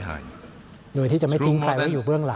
โดยที่จะไม่ทิ้งใครไว้อยู่เบื้องหลัง